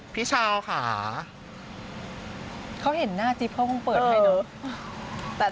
พี่ชาวค่ะเขาเห็นหน้าจิ๊บเขาคงเปิดให้เนอะ